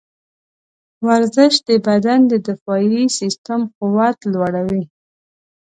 ورزش د بدن د دفاعي سیستم قوت لوړوي.